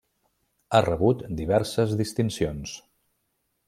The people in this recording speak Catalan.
Ha rebut diverses distincions.